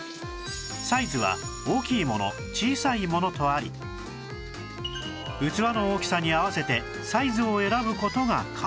サイズは大きいもの小さいものとあり器の大きさに合わせてサイズを選ぶ事が可能